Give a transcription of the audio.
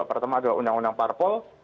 pertama adalah undang undang parpol